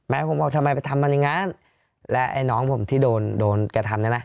แม่ผมว่าทำไมไปทำบรรยายงานและไอ้น้องผมที่โดนโดนกระทำน่ะนะ